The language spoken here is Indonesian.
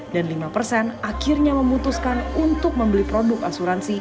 dan lima persen akhirnya memutuskan untuk membeli produk asuransi